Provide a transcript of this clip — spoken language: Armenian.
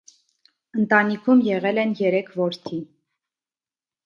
Ընտանիքում եղել են երեք որդի։